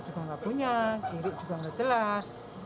tidak punya diri juga tidak jelas